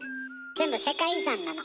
全部世界遺産なの。